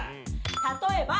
例えば。